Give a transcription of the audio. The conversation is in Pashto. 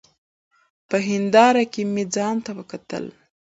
په هېنداره کي مي ځانته وکتل !